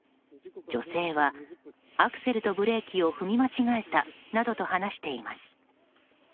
女性はアクセルとブレーキを踏み間違えたなどと話しています。